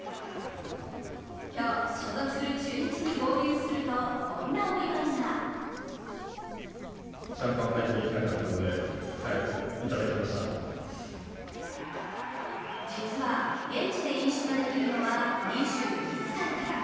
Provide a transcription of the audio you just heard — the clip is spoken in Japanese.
今日、所属する中日に合流するとこんなお祝いが実は、現地で飲酒ができるのは２１歳から。